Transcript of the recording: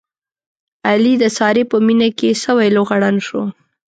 علي د سارې په مینه کې سوی لوغړن شو.